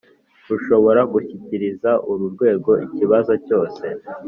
Rushobora gushyikiriza uru rwego ikibazo cyose